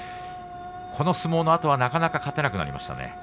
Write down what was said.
この相撲のあとなかなか勝てなくなりましたね。